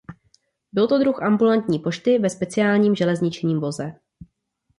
Byl to druh ambulantní pošty ve speciálním železničním voze.